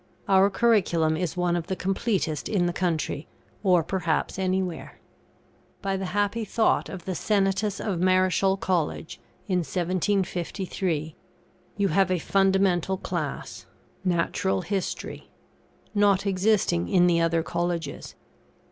Our curriculum is one of the completest in the country, or perhaps anywhere. By the happy thought of the Senatus of Marischal College, in 1753, you have a fundamental class (Natural History) not existing in the other colleges.